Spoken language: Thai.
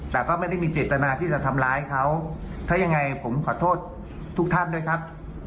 แต่ก็ไม่ได้มีเจตนาที่จะทำร้ายเขาถ้ายังไงผมขอโทษทุกท่านด้วยครับ